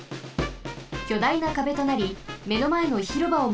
きょだいなかべとなりめのまえのひろばをまもります。